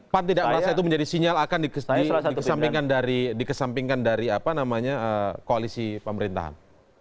pan tidak merasa itu menjadi sinyal akan dikesampingkan dari dikesampingkan dari apa namanya koalisi pemerintahan